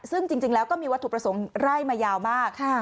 ซึ่งจริงแล้วก็มีวัตถุประสงค์ไล่มายาวมาก